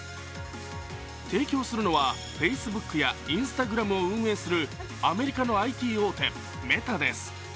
提供するのはＦａｃｅｂｏｏｋやＩｎｓｔａｇｒａｍを運営するアメリカのＩＴ大手、メタです。